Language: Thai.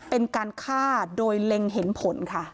เป็นการฆ่าโดยเล็งเห็นผลค่ะ